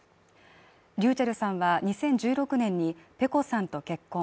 ｒｙｕｃｈｅｌｌさんは２０１６年にｐｅｃｏさんと結婚。